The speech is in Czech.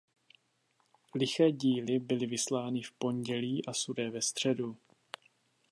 Liché díly byly vysílány v pondělí a sudé ve středu.